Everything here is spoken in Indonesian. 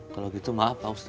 kalau gitu maaf pak ustadz